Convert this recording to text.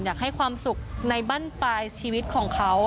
อยากให้ความสุขในบ้านปลายชีวิตของเขา